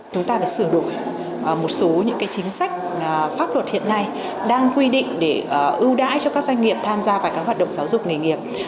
chúng ta phải sửa đổi một số những chính sách pháp luật hiện nay đang quy định để ưu đãi cho các doanh nghiệp tham gia vào các hoạt động giáo dục nghề nghiệp